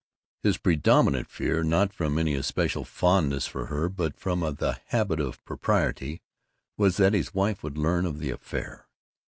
His predominant fear not from any especial fondness for her but from the habit of propriety was that his wife would learn of the affair.